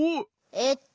えっと。